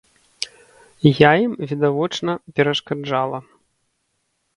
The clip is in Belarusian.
Я ім, відавочна, перашкаджала.